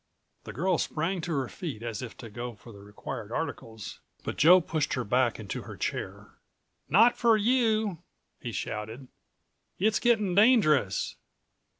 The girl sprang to her feet as if to go for the required articles, but Joe pushed her back into her chair.189 "Not for you," he shouted. "It's gettin' dangerous."